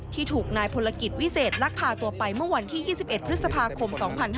ที่ถูกนายพลกิจวิเศษลักพาตัวไปเมื่อวันที่๒๑พฤษภาคม๒๕๕๙